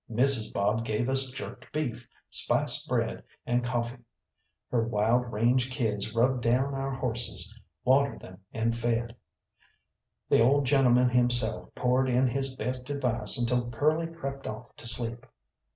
Mrs. Bob gave us jerked beef, spiced bread and coffee; her wild range kids rubbed down our horses, watered them and fed; the old gentleman himself poured in his best advice until Curly crept off to sleep.